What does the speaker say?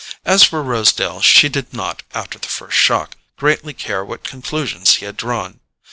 As for Rosedale, she did not, after the first shock, greatly care what conclusions he had drawn.